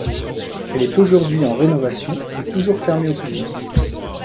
Elle est aujourd'hui en rénovation et toujours fermée au public.